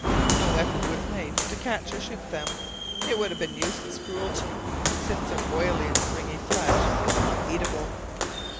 No effort was made to catch or shoot them; it would have been useless cruelty, since their oily and stringy flesh is not eatable.